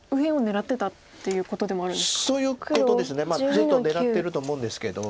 ずっと狙ってると思うんですけど。